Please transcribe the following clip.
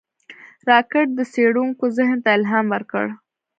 راکټ د څېړونکو ذهن ته الهام ورکړ